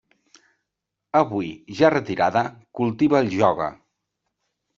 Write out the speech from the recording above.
Avui, ja retirada, cultiva el ioga.